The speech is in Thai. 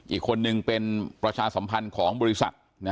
อีกคนนึงเป็นประชาสัมพันธ์ของบริษัท